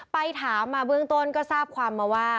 ไปถามมาเบื้องต้นก็ทราบความมาว่า